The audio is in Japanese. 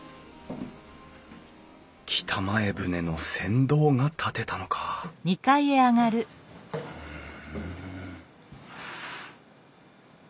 北前船の船頭が建てたのかん？